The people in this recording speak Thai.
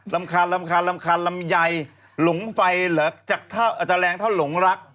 รำคาญรำคาญลำไยหลงไฟเหรอจากอาจจะแรงเท่าหลงรัก